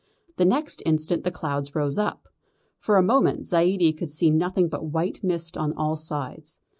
The next instant the clouds rose up. For a moment Zaidie could see nothing but white mist on all sides.